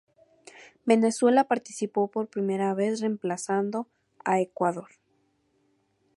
Venezuela participó por primera vez reemplazando a Ecuador.